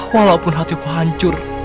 walaupun hatiku hancur